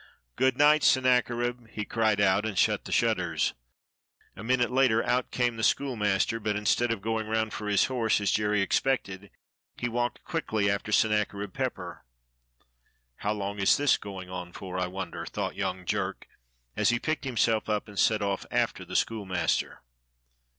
"Good night, Sennacherib," he cried out, and shut the shutters. A minute later out came the school master, but instead of going round for his horse, as Jerry expected, he walked quickly after Sennacherib Pepper. "How long is this going on for, I wonder?" thought young Jerk, as he picked himself up and set off after the schoolmaster.